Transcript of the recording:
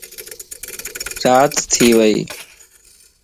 رات ٿي ويئي